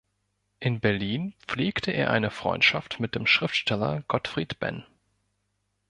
In Berlin pflegte er eine Freundschaft mit dem Schriftsteller Gottfried Benn.